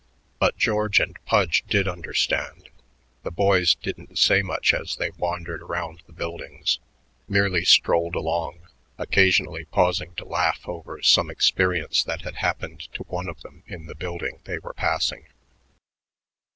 But George and Pudge did understand. The boys didn't say much as they wandered around the buildings, merely strolled along, occasionally pausing to laugh over some experience that had happened to one of them in the building they were passing.